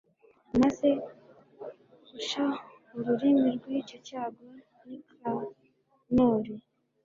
amaze guca ururimi rw'icyo cyago nikanori